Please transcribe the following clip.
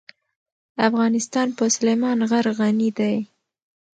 افغانستان په سلیمان غر غني دی.